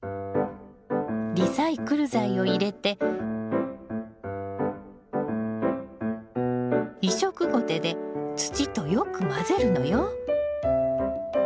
リサイクル材を入れて移植ゴテで土とよく混ぜるのよ。